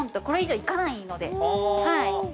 これ以上、行かないので。